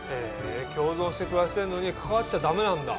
共存して暮らしてるのに関わっちゃダメなんだ。